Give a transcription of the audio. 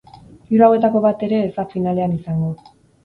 Hiru hauetako bat ere ez da finalean izango.